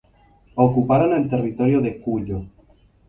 Ocuparon el territorio de Cuyo.